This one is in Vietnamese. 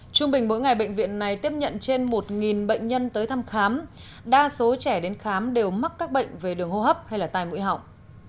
trung bình mỗi ngày bệnh viện này tiếp nhận trên một bệnh nhân tới thăm khám đa số trẻ đến khám đều mắc các bệnh về đường hô hấp hay tai mũi họng